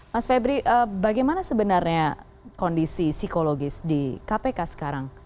mas febri bagaimana sebenarnya kondisi psikologis di kpk sekarang